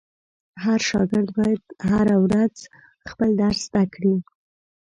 هر شاګرد باید هره ورځ خپل درس زده کړي.